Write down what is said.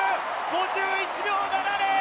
５１秒７０！